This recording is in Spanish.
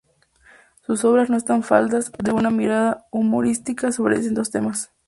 Sus obras no están faltas de una mirada humorística sobre distintos temas.